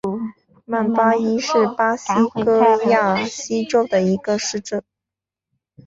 曼巴伊是巴西戈亚斯州的一个市镇。